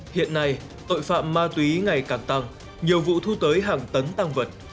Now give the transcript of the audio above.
hiện nay tội phạm ma túy ngày càng tăng nhiều vụ thu tới hàng tấn tăng vật